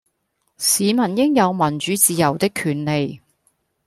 市民應有民主自由的權利